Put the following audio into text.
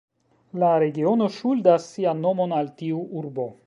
La regiono ŝuldas sian nomon al tiu urbo.